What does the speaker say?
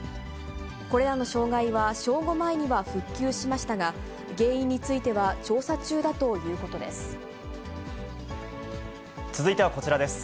これらの障害は正午前には復旧しましたが、原因については調査中続いてはこちらです。